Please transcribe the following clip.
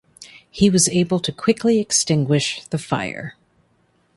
He was able to quickly extinguish the fire.